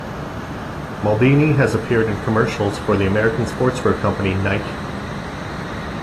Maldini has appeared in commercials for the American sportswear company Nike.